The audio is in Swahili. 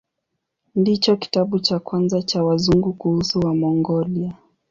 Ndicho kitabu cha kwanza cha Wazungu kuhusu Wamongolia.